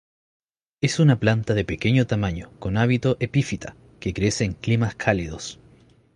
Es una planta de pequeño tamaño con hábito epífita que crece en climas cálidos.